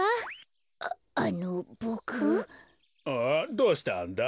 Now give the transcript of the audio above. どうしたんだ？